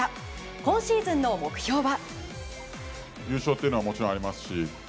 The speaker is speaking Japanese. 今シーズンの目標は。